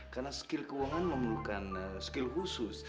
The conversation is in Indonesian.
karena skill keuangan memerlukan skill khusus